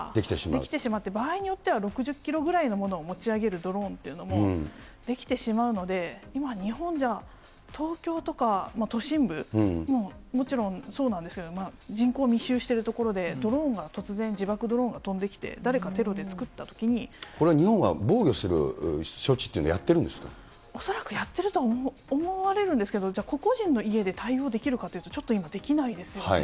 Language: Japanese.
出来てしまって、場合によっては６０キロぐらいのものを持ち上げるドローンというのも出来てしまうので、今、日本じゃ、東京とか、都心部ももちろんそうなんですけど、人口密集している所で、ドローンが突然、自爆ドローンが飛んできこれは日本は防御する処置っ恐らくやってると思われるんですけど、じゃあ、個々人の家で対応できるかというと、ちょっと今、できないですよね。